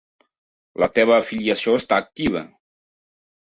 La teva afiliació està activa.